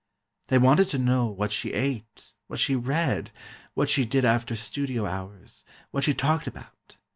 They wanted to know what she ate, what she read, what she did after studio hours, what she talked about.